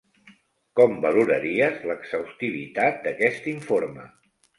Com valoraries l'exhaustivitat d'aquest informe?